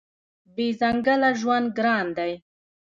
بې ځنګله ژوند ګران دی.